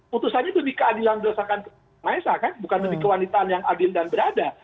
putusannya itu dikeadilan berdasarkan maesah kan bukan dikewanitan yang adil dan berada